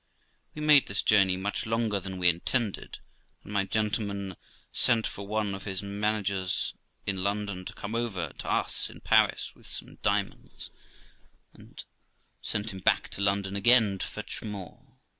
We made this journey much longer than we intended, and my gentleman sent for one of his managers in London to come over to us in Paris with some diamonds, and sent him back to London again to fetch more.